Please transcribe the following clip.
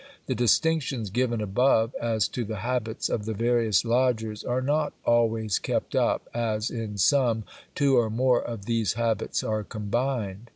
The distinctions given above as to the habits of the various lodgers are not always kept up, as, in some, two or more of these habits are combined.